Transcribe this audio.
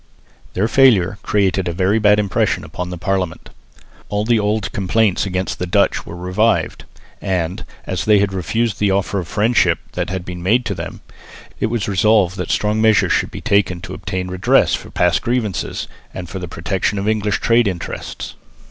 Their failure created a very bad impression upon the Parliament. All the old complaints against the Dutch were revived; and, as they had refused the offer of friendship that had been made to them, it was resolved that strong measures should be taken to obtain redress for past grievances and for the protection of English trade interests.